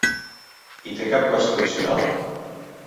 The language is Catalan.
I te cap cost addicional?